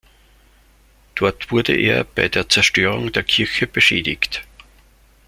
Dort wurde er bei der Zerstörung der Kirche beschädigt.